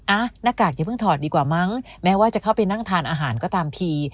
หน้ากากอย่าเพิ่งถอดดีกว่ามั้งแม้ว่าจะเข้าไปนั่งทานอาหารก็ตามที